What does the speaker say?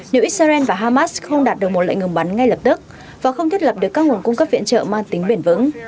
nếu israel và hamas không đạt được một lệnh ngừng bắn ngay lập tức và không thiết lập được các nguồn cung cấp viện trợ mang tính bền vững